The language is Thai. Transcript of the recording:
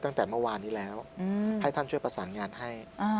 ตั้งแต่เมื่อวานนี้แล้วให้ท่านช่วยประสานงานให้